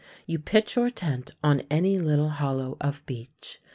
You pitch your tent on any little hollow of beach.